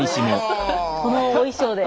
このお衣装で。